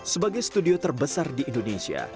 sebagai studio terbesar di indonesia